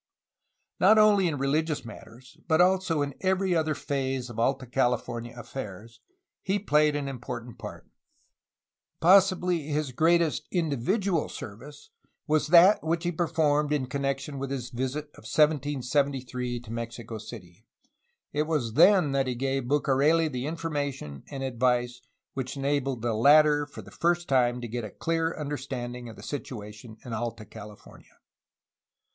Not only in religious matters, but also in every other phase of Alta California affairs, he played an important part. Possibly his greatest individual service was that which he performed in connection with his visit of 1773 to Mexico City. It was then that he gave Bucareli the information and advice which enabled the latter for the first time to get a clear understanding of the situation in Alta California.